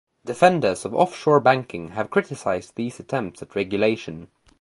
Defenders of offshore banking have criticized these attempts at regulation.